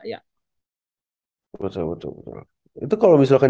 betul betul betul itu kalau misalkan